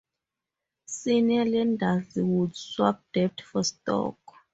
Senior lenders would swap debt for stock.